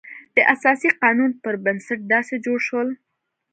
د اساسي قانون پر بنسټ داسې جوړ شول.